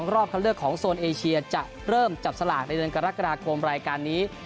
รอบคันเลือกของโซนเอเชียจะเริ่มจับสลากในเดือนกรกฎาคมรายการนี้